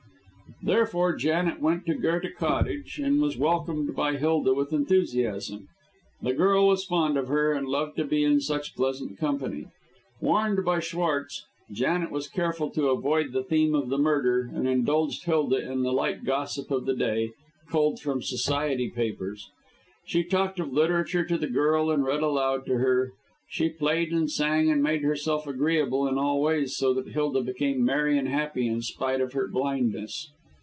Therefore, Janet went to Goethe Cottage, and was welcomed by Hilda with enthusiasm. The girl was fond of her, and loved to be in such pleasant company. Warned by Schwartz, Janet was careful to avoid the theme of the murder, and indulged Hilda in the light gossip of the day, culled from society papers. She talked of literature to the girl, and read aloud to her; she played and sang, and made herself agreeable in all ways, so that Hilda became merry and happy in spite of her blindness.